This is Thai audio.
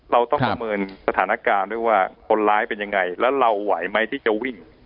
เราต้องประเมินสถานการณ์ด้วยว่าคนร้ายเป็นยังไงแล้วเราไหวไหมที่จะวิ่ง